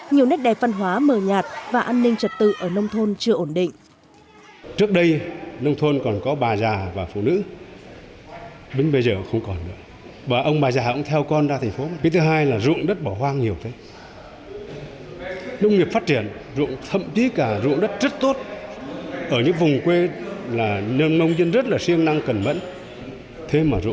nhiều nét đẹp văn hóa mờ nhạt và an ninh trật tự ở nông thôn chưa ổn định